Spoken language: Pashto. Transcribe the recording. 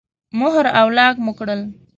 مهر او لاک مو کړل.